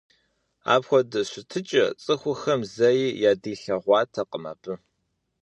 Апхуэдэ щытыкӀэ цӀыхухэм зэи ядилъэгъуатэкъым абы.